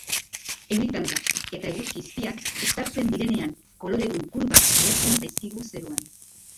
Euri tantak eta eguzki izpiak uztartzen direnean, koloredun kurbak agertzen zaizkigu zeruan.